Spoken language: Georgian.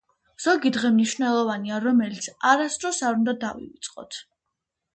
ზოგი დღე მნიშვნელოვანია რომელიც არასდროს არ უნდა დავივიწყოთ